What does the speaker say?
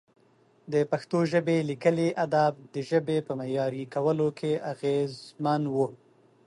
د پښتو ژبې لیکلي ادب د ژبې په معیاري کولو کې اغېزمن و.